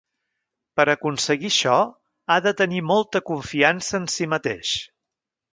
Per aconseguir això, ha de tenir molta confiança en si mateix.